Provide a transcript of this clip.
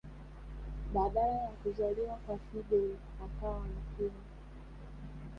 Baada ya kuzaliwa kwa Fidel akawa mkewe